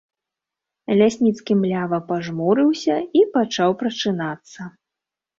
Лясніцкі млява пажмурыўся і пачаў прачынацца.